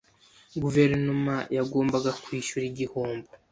Guverinoma yagombaga kwishyura igihombo.